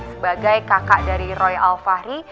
sebagai kakak dari roy alfahri